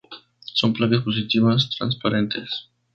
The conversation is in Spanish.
Son placas positivas, transparentes.